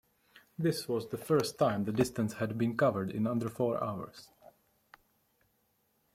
This was the first time the distance had been covered in under four hours.